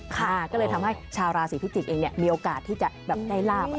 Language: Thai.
ค่ะก็เลยทำให้ชาวราศีพิจิกษ์เองมีโอกาสที่จะแบบได้ลาบ